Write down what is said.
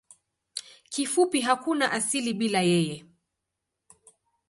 Kifupi hakuna asili bila yeye.